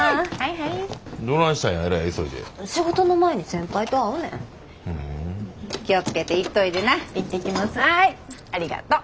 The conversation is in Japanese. はいありがとう。